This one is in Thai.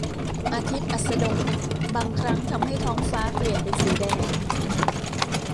อาทิตย์อัสดงบางครั้งทำให้ท้องฟ้าเปลี่ยนเป็นสีแดง